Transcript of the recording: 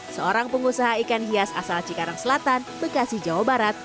seorang pengusaha ikan hias asal cikarang selatan bekasi jawa barat